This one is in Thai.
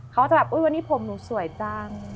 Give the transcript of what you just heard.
เขาจะแบบอุ๊ยวันนี้ผมหนูสวยจัง